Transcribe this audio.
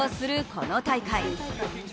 この大会。